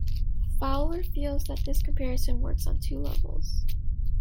Fowler feels that this comparison works on two levels.